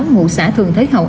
ngụ xã thường thế hồng